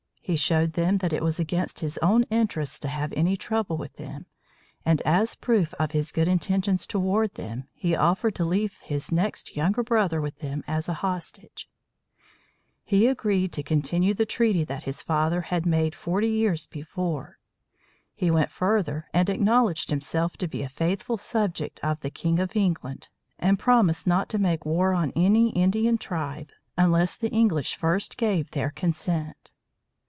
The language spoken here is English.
He showed them that it was against his own interests to have any trouble with them, and as proof of his good intentions toward them, he offered to leave his next younger brother with them as a hostage. He agreed to continue the treaty that his father had made forty years before. He went further, and acknowledged himself to be a faithful subject of the King of England, and promised not to make war on any Indian tribe unless the English first gave their consent.